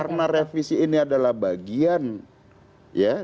karena revisi ini adalah bagian ya